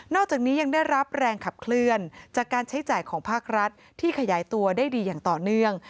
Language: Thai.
อกจากนี้ยังได้รับแรงขับเคลื่อนจากการใช้จ่ายของภาครัฐที่ขยายตัวได้ดีอย่างต่อเนื่อง